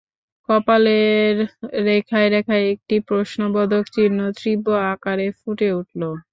কপালের রেখায় রেখায় একটি প্রশ্নবোধক চিহ্ন তীব্র আকারে ফুটে উঠল।